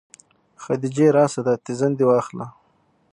خديجې راسه دا تيزن دې واخله.